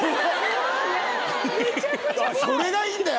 それがいいんだ